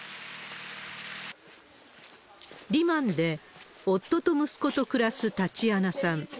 リマンで夫と息子と暮らすタチアナさん。